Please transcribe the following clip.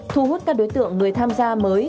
thu hút các đối tượng người tham gia mới